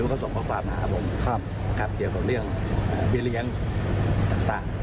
โดยว่าก็ส่งข้อความมาครับผมเกี่ยวกับเรื่องเบียเรียนต่าง